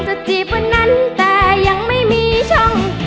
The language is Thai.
จีบวันนั้นแต่ยังไม่มีช่อง